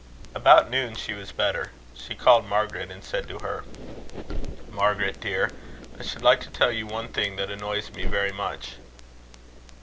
About noon she was better. She called Margaret and said to her: "Margaret, dear, I should like to tell you one thing that annoys me very much."